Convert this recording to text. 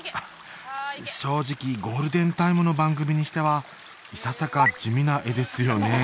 正直ゴールデンタイムの番組にしてはいささか地味な画ですよね